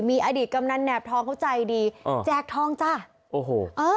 มีอดีตกำนันแหบทองเขาใจดีเออแจกทองจ้ะโอ้โหเออ